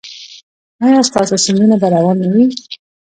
ایا ستاسو سیندونه به روان نه وي؟